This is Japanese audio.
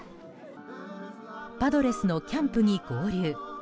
パドレスのキャンプに合流。